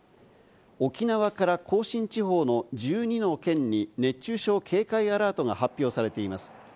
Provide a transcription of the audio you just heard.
沖縄から甲信地方の１２の県に熱中症警戒アラートが発表されています。